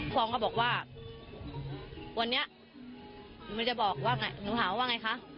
ความเขาบอกว่าวันเนี้ยมันจะบอกว่าไงหนูถามว่าไงคะ